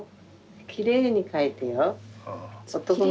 きれいに描いてよ。